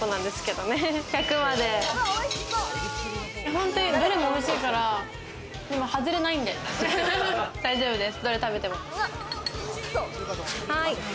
ほんとにどれもおいしいから外れないんで大丈夫です。